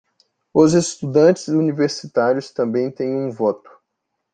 Os estudantes universitários também têm um voto